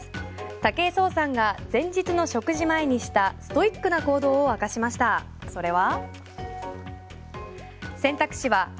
武井壮さんが前日の食事前にしたストイックな行動を明かしましたそれは。